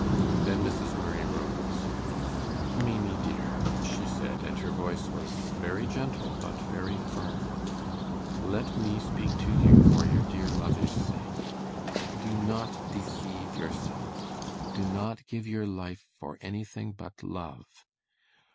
Then Mrs. Murray rose. "Maimie, dear," she said, and her voice was very gentle but very firm, "let me speak to you for your dear mother's sake. Do not deceive yourself. Do not give your life for anything but love.